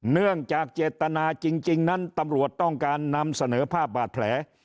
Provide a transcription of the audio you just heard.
เนื่องจากเจตนาจริงนั้นตำรวจต้องการนำเสนอภาพบาดแผล